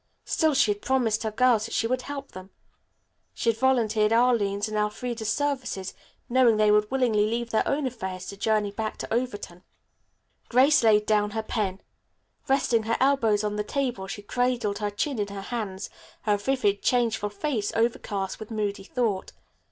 Still she had promised her girls that she would help them. She had volunteered Arline's and Elfreda's services, knowing they would willingly leave their own affairs to journey back to Overton. Grace laid down her pen. Resting her elbows on the table she cradled her chin in her hands, her vivid, changeful face overcast with moody thought.